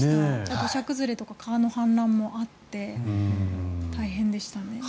土砂崩れとか川の氾濫もあって大変でしたね。